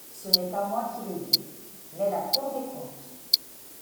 Ce n’est pas moi qui le dis, mais la Cour des comptes.